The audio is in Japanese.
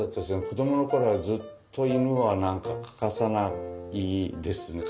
子どもの頃はずっと犬は何か欠かさないですね。